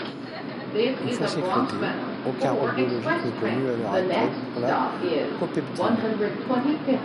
Une fois sécrétée, aucun rôle biologique n’est connu à l’heure actuelle pour la copeptine.